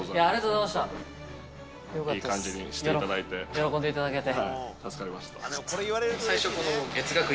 喜んでいただけて。